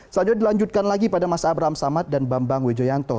selanjutnya dilanjutkan lagi pada mas abraham samad dan bambang wijoyanto